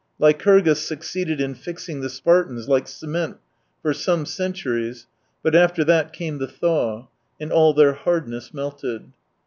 ... Lycurgus succeeded in fixing the Spartans like cement for some centuries — but after that came the thaw, and all their hardness melted.